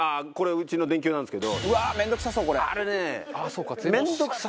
うちも電球なんですよ。